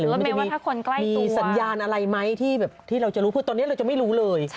หรือมันจะมีสัญญาณอะไรไหมที่แบบที่เราจะรู้เพราะตอนนี้เราจะไม่รู้เลย